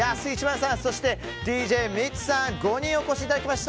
さんそしてＤＪＭＩＴＳＵさん５人、お越しいただきました。